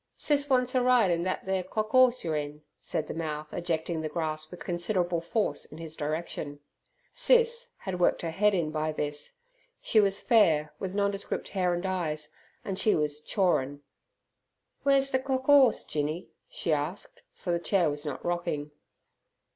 "Sis wants er ride in thet ther cock 'orse yer in," said the mouth, ejecting the grass with considerable force in his direction. "Sis" had worked her head in by this. She was fair, with nondescript hair and eyes, and she was "chawrin'". "Wer's ther cock 'orse, Jinny?" she asked, for the chair was not rocking.